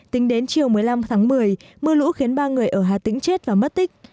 tính đến chiều một mươi năm tháng một mươi mưa lũ khiến ba người ở hà tĩnh chết và mất tích